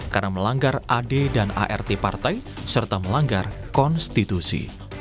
karena melanggar ad dan art partai serta melanggar konstitusi